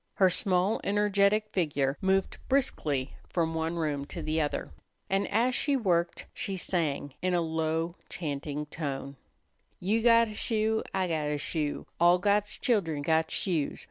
Her small, energetic figure moved briskly from one room to the other, and as she worked she sang in a low, chanting tone: "You got a shoe, I got a shoe, All God's children got shoes.